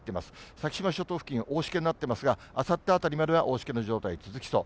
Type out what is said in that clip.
先島諸島付近、大しけになっていますが、あさって辺りまでは大しけの状態続きそう。